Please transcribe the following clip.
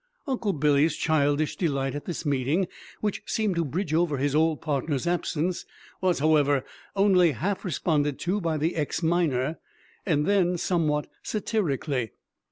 Uncle Billy's childish delight at this meeting, which seemed to bridge over his old partner's absence, was, however, only half responded to by the ex miner, and then somewhat satirically.